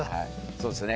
そうですね。